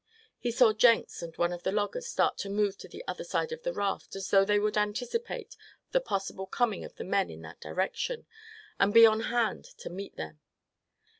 He saw Jenks and one of the loggers start to move to the other side of the raft, as though they would anticipate the possible coming of the men in that direction and be on hand to meet them.